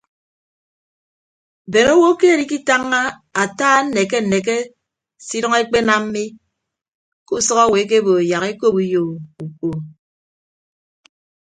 Bene owo keed ikitañña ata nneke nneke se idʌñ ekpenam mi ke usʌk owo ekebo yak ekop uyo uko.